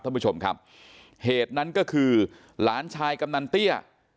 ท่านผู้ชมครับเหตุนั้นก็คือหลานชายกำนันเตี้ย